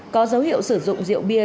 có dấu hiệu sử dụng rượu bia